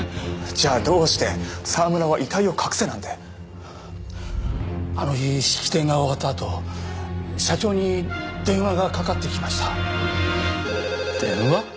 じゃあどうして沢村は遺体を隠せなんてあの日式典が終わったあと社長に電話がかかってきました・☎電話？